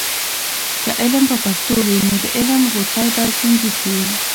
که علم په پښتو وي، نو د علم غوڅۍ به زندې سي.